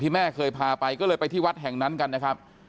แม่เคยพาไปก็เลยไปที่วัดแห่งนั้นกันนะครับ